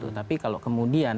tapi kalau kemudian